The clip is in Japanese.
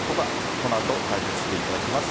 このあと解説していただきます。